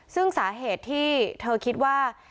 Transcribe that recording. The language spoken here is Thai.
ซึ่งสาเหตุที่เธอคิดว่า